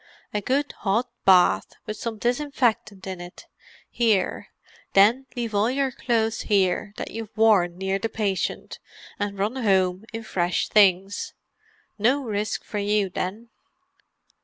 A good hot bath, with some disinfectant in it, here; then leave all your clothes here that you've worn near the patient, and run home in fresh things. No risk for you then."